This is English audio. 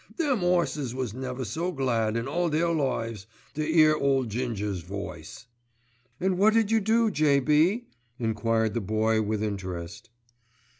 Them 'orses was never so glad in all their lives to 'ear ole Ginger's voice." "And what did you do, J.B.?" enquired the Boy with interest.